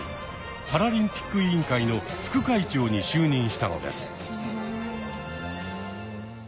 パラリンピック委員会の副会長に就任したのです。